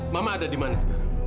mama ada dimana sekarang